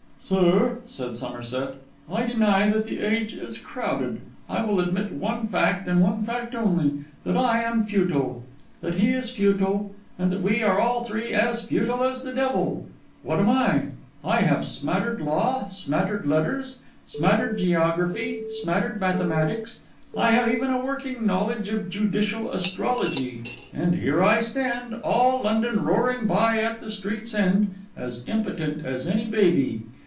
'Sir,' said Somerset, 'I deny that the age is crowded; I will admit one fact, and one fact only: that I am futile, that he is futile, and that we are all three as futile as the devil. What am I? I have smattered law, smattered letters, smattered geography, smattered mathematics; I have even a working knowledge of judicial astrology; and here I stand, all London roaring by at the street's end, as impotent as any baby.